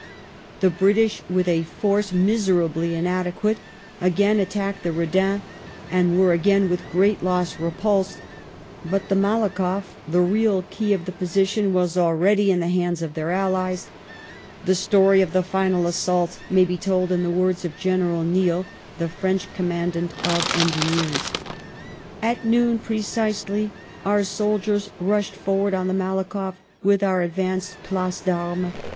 The British, with a force miserably inadequate, again attacked the Redan and were again with great loss repulsed, but the MalakofF — the real key of the position — was already in the hands of their allies. The story of the final assault may be told in the words of General Niel, the French Commandant of Engineers :" At noon precisely our sol diers rushed forward on the Malakoff from our advanced places d'armes.